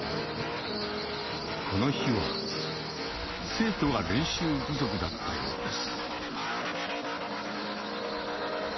この日は、生徒は練習不足だったようです。